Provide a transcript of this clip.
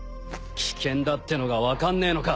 危険だってのがわかんねえのか！？